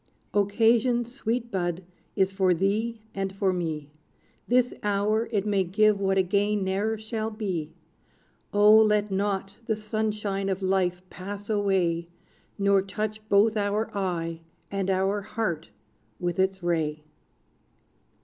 Occasion, sweet Bud, is for thee and for me: This hour it may give what again ne'er shall be. O, let not the sunshine of life pass away, Nor touch both our eye and our heart with its ray!